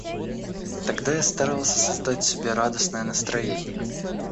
Тогда я старался создать себе радостное настроение.